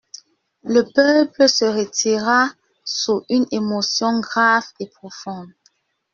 Le peuple se retira sous une émotion grave et profonde.